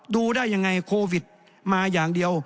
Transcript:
ดูได้ยังไงโควิดมาอย่างเดียว